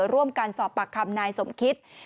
ร่วมกันสอบปากคำนายสมคิต